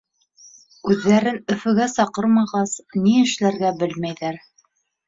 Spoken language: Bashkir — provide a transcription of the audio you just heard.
Үҙҙәрен Өфөгә саҡырмағас, ни эшләргә белмәйҙәр.